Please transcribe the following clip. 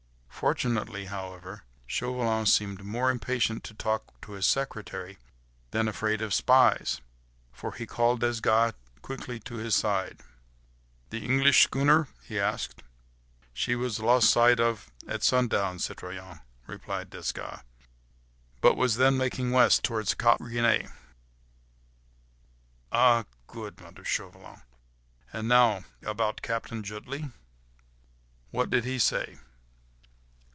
Fortunately, however, Chauvelin seemed more impatient to talk to his secretary than afraid of spies, for he called Desgas quickly back to his side. "The English schooner?" he asked. "She was lost sight of at sundown, citoyen," replied Desgas, "but was then making west, towards Cap Gris Nez." "Ah!—good!—" muttered Chauvelin, "and now, about Captain Jutley?—what did he say?"